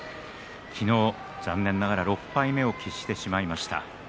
昨日、残念ながら６敗目を喫してしまいました。